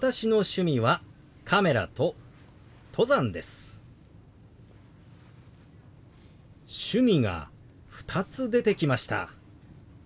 「趣味」が２つ出てきました。